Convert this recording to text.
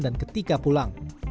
dan ketika pulang